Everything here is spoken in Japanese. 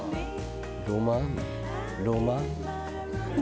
ロマンロマン。